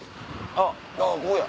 あっここや。